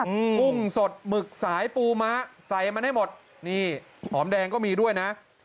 กุ้งสดหมึกสายปูม้าใส่มันให้หมดนี่หอมแดงก็มีด้วยนะ